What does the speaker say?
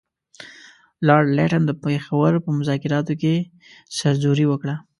لارډ لیټن د پېښور په مذاکراتو کې سرزوري وکړه.